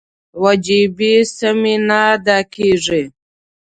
وجیبې سمې نه ادا کېږي.